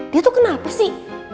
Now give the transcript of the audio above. dia tuh kenapa sih